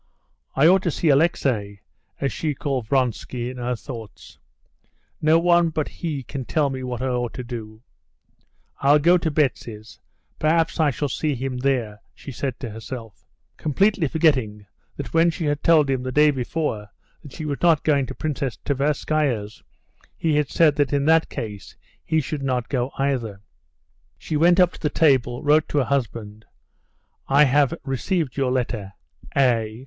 "I ought to see Alexey" (so she called Vronsky in her thoughts); "no one but he can tell me what I ought to do. I'll go to Betsy's, perhaps I shall see him there," she said to herself, completely forgetting that when she had told him the day before that she was not going to Princess Tverskaya's, he had said that in that case he should not go either. She went up to the table, wrote to her husband, "I have received your letter.—A."